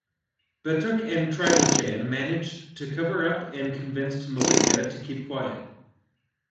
Batuk and Trilochan managed to cover up and convinced Mallika to keep quiet.